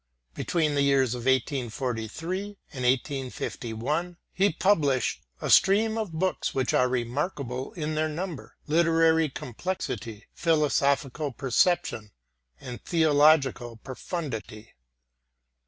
Between the years of 1843 and 1851 he published a stream of books which are remarkable in their number, literary complexity, philosophical perception, and theological profundity.